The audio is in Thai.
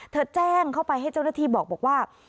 แจ้งเข้าไปให้เจ้าหน้าที่บอกว่า